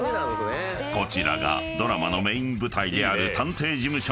［こちらがドラマのメイン舞台である探偵事務所のセット］